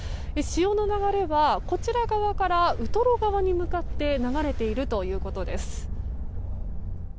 潮の流れは、こちら側からウトロ側に向かって流れているということです。